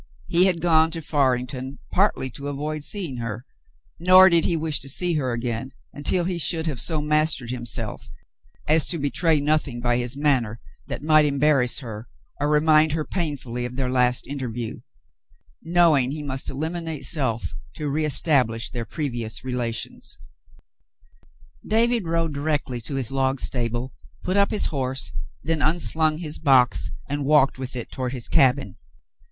He had gone to Farington partly to avoid seeing her, nor did he wish to see her again until he should have so mastered himself as to betray nothing by his manner that might embarrass her or remind her painfully of their last interview, knowing he must elimi nate self to reestablish their previous relations. David rode directly to his log stable, put up his horse, then unslung his box and walked with it toward his cabin.